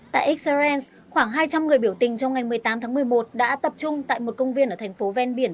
tại israel khoảng hai trăm linh người biểu tình trong ngày một mươi tám tháng một mươi một đã tập trung tại một công viên ở thành phố ven biển